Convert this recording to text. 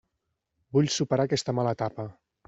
Vull superar aquesta mala etapa.